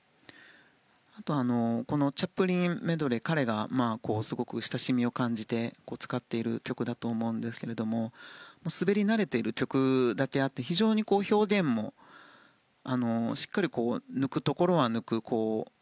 「チャップリンメドレー」彼がすごく親しみを感じて使っている曲だと思うんですが滑り慣れている曲だけあって非常に表現もしっかり抜くところは抜く